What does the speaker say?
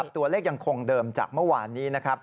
ตัวเลขยังคงเดิมจากเมื่อวานนี้